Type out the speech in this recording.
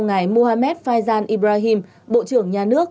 ngài muhammad faizan ibrahim bộ trưởng nhà nước